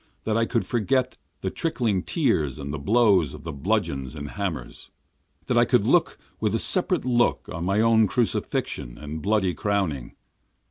That I could forget the trickling tears and the blows of the bludgeons and hammers! That I could look with a separate look on my own crucifixion and bloody crowning.